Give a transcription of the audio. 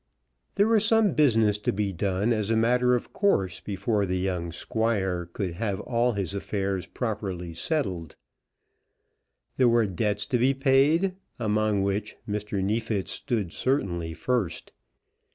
There was some business to be done as a matter of course before the young Squire could have all his affairs properly settled. There were debts to be paid, among which Mr. Neefit's stood certainly first.